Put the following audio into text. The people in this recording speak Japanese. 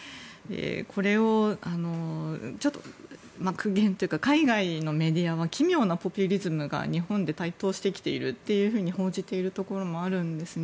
これをちょっと苦言というか海外のメディアは奇妙なポピュリズムが日本で台頭してきていると報じているところもあるんですね。